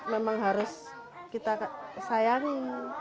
memang harus kita sayangi